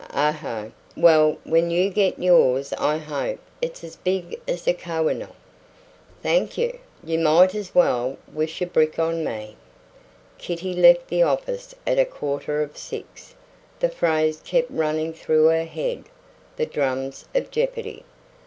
"Oho! Well, when you get yours I hope it's as big as the Koh i noor." "Thank you! You might just as well wish a brick on me!" Kitty left the office at a quarter of six. The phrase kept running through her head the drums of jeopardy.